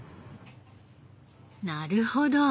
なるほど。